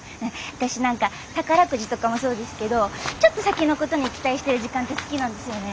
私何か宝くじとかもそうですけどちょっと先のことに期待してる時間って好きなんですよね。